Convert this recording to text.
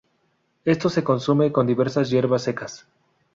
Esto se consume con diversas hierbas secas.